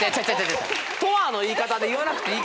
「とは」の言い方で言わなくていい。